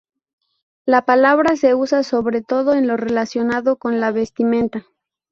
La palabra se usa sobre todo en lo relacionado con la vestimenta.